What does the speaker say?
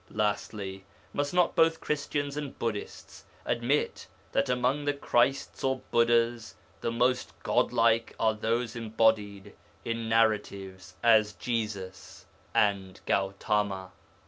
Lastly, must not both Christians and Buddhists admit that among the Christs or Buddhas the most godlike are those embodied in narratives as Jesus and Gautama?